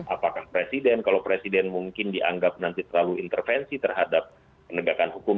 apakah presiden kalau presiden mungkin dianggap nanti terlalu intervensi terhadap penegakan hukum